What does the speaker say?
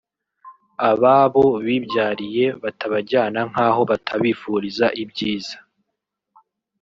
ababo bibyariye batabajyana nk’aho batabifuriza ibyiza